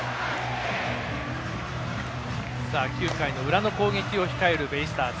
９回の裏の攻撃を控えるベイスターズ。